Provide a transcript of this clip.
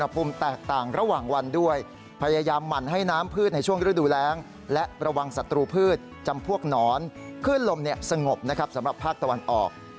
พวกหนรขึ้นลมสงบนะครับสำหรับภาคตะวันออก